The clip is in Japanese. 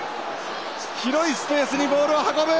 広いスペースにボールを運ぶ！